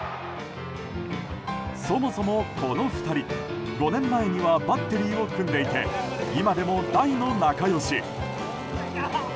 そもそもこの２人５年前にはバッテリーを組んでいて今でも大の仲良し。